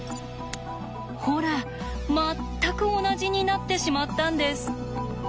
ほら全く同じになってしまったんです。